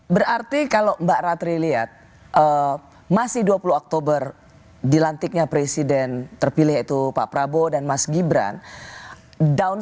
berarti kalau mbak ratri lihat masih dua puluh oktober dilantiknya presiden terpilih itu pak prabowo dan mas gibran